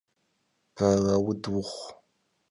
Belaud vuxhu!